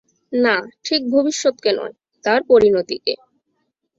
না, ঠিক ভবিষ্যৎকে নয়, তার পরিণতিকে।